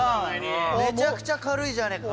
めちゃくちゃ軽いじゃねぇか。